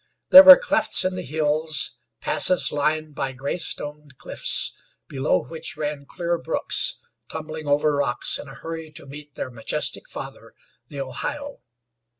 There were clefts in the hills, passes lined by gray stoned cliffs, below which ran clear brooks, tumbling over rocks in a hurry to meet their majestic father, the Ohio.